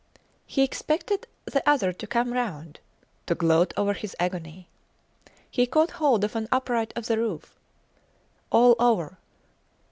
He expected the other to come round to gloat over his agony. He caught hold of an upright of the roof All over!